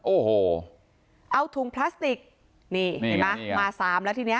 โอ้โหเอาถุงพลาสติกนี่เห็นไหมมาสามแล้วทีเนี้ย